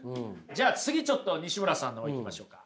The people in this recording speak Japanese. じゃあ次ちょっとにしむらさんの方いきましょうか。